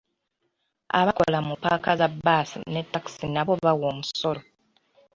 Abakola mu ppaaka za bbaasi ne ttakisi nabo bawa omusolo.